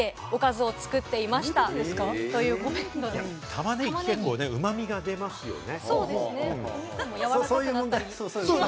玉ねぎ、結構うまみが出ますよね。